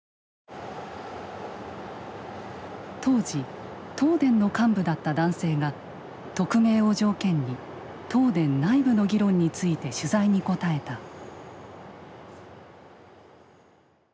当時東電の幹部だった男性が匿名を条件に東電内部の議論について取材に答えた。